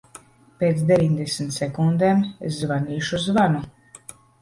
Pēc deviņdesmit sekundēm es zvanīšu zvanu.